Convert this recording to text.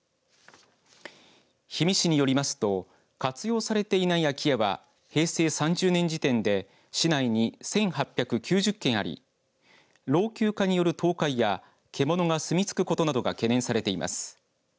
氷見市によりますと活用されていない空き家は平成３０年時点で市内に１８９０軒あり老朽化による倒壊や獣が住み着くことなどが懸念されています。